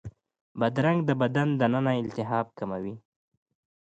بادرنګ د بدن دننه التهاب کموي.